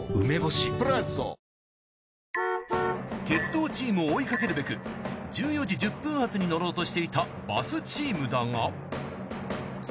鉄道チームを追いかけるべく１４時１０発に乗ろうとしていたバスチームだが。